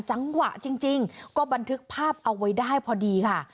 จังหวะจริงก็บันทึกภาพเอาไว้ได้พอดีค่ะ